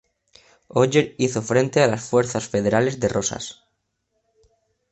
Augier hizo frente a las fuerzas federales de Rosas.